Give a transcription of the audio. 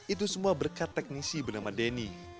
itu semua berkat teknisi bernama denny